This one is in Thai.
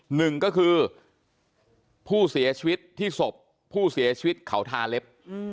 หนึ่งก็คือผู้เสียชีวิตที่ศพผู้เสียชีวิตเขาทาเล็บ